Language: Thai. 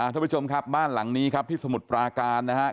ทุกผู้ชมครับบ้านหลังนี้ครับที่สมุทรปราการนะครับ